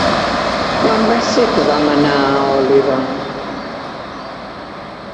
Quan va ser que vam anar a Oliva?